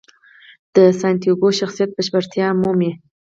د سانتیاګو شخصیت بشپړتیا مومي.